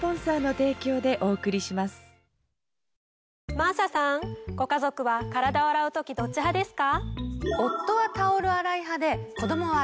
真麻さんご家族は体を洗う時どっち派ですか？